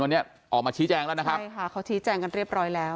วันนี้ออกมาชี้แจงแล้วนะครับใช่ค่ะเขาชี้แจงกันเรียบร้อยแล้ว